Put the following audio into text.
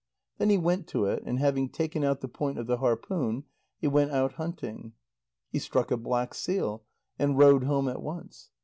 Then he went to it, and having taken out the point of the harpoon, he went out hunting. He struck a black seal, and rowed home at once.